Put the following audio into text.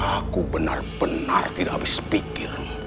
aku benar benar tidak bisa pikir